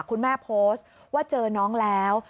คุณแม่โพสต์ว่าเจอน้องแล้ว